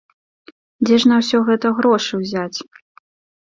Дзе ж на ўсё гэта грошы ўзяць?